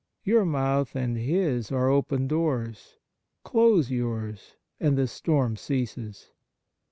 Your mouth and his are open doors. Close yours, and the storm ceases.